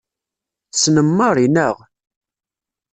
Tessnem Mary, naɣ?